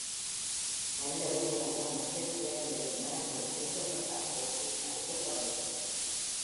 நல்ல வேளையாக, மற்ற சிகரங்களில் மரங்கள் அழிக்கப்பட்டாற்போல் இதில் அழிக்கப்படவில்லை.